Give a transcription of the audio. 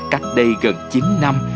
cách đây gần chín năm